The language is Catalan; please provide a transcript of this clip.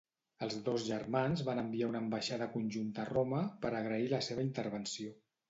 Els dos germans van enviar una ambaixada conjunta a Roma per agrair la seva intervenció.